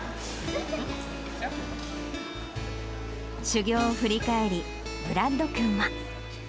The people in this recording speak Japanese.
修業を振り返り、ブラッド君は。